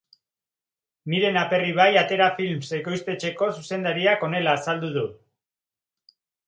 Miren Aperribai Atera Films ekoiztetxeko zuzendariak honela azaldu du.